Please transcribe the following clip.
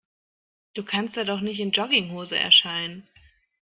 Du kannst da doch nicht in Jogginghose erscheinen.